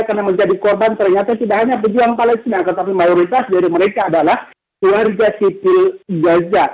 karena menjadi korban ternyata tidak hanya pejuang palestina tetapi mayoritas dari mereka adalah keluarga sipil gaza